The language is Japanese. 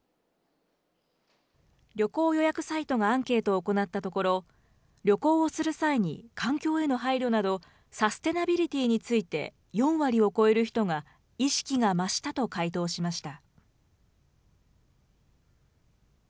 旅行予約サイトがアンケートを行ったところ、旅行をする際に環境への配慮など、サステイナビリティーについて４割を超える人が意識が増したと回答しました。